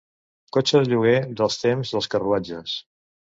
Cotxe de lloguer dels temps dels carruatges.